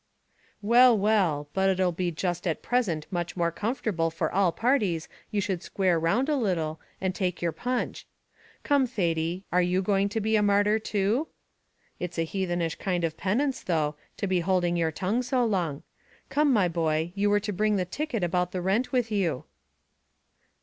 "Well, well, but it'll be just at present much more comfortable for all parties you should square round a little, and take your punch. Come, Thady, are you going to be a martyr, too? it's a heathenish kind of penance, though, to be holding your tongue so long. Come, my boy, you were to bring the ticket about the rent with you."